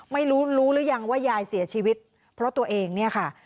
ไม่รู้รู้หรือยังว่ายายเสียชีวิตเพราะตัวเองเนี่ยค่ะ